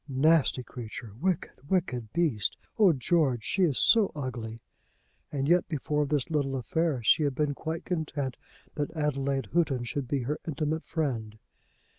"Nasty creature! Wicked, wicked beast! Oh, George, she is so ugly!" And yet before this little affair, she had been quite content that Adelaide Houghton should be her intimate friend.